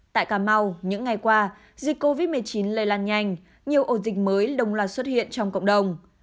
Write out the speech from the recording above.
tại cà mau những ngày qua dịch covid một mươi chín lây lan nhanh nhiều ổ dịch mới đồng loạt xuất hiện trong cộng đồng